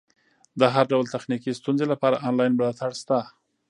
د هر ډول تخنیکي ستونزې لپاره انلاین ملاتړ شته.